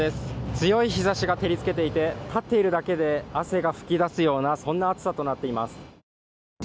強い日ざしが照りつけていて、立っているだけで汗が噴き出すようなそんな暑さとなっています。